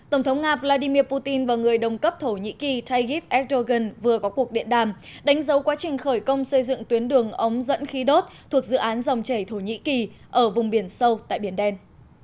tổng thống nga vladimir putin và người đồng cấp thổ nhĩ kỳ tayyip erdogan vừa có cuộc điện đàm đánh dấu quá trình khởi công xây dựng tuyến đường ống dẫn khí đốt thuộc dự án dòng chảy thổ nhĩ kỳ ở vùng biển sâu tại biển đen